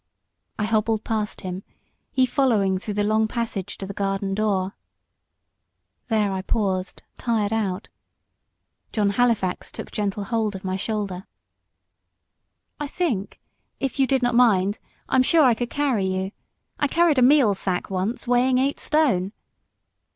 I hobbled past him; he following through the long passage to the garden door. There I paused tired out. John Halifax took gentle hold of my shoulder. "I think, if you did not mind, I'm sure I could carry you. I carried a meal sack once, weighing eight stone."